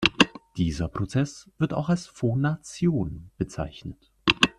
Dieser Prozess wird auch als Phonation bezeichnet.